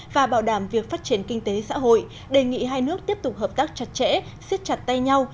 và bảo đảm việc phát triển kinh tế xã hội đề nghị hai nước tiếp tục hợp tác chặt chẽ xiết chặt tay nhau